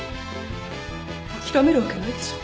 諦めるわけないでしょ。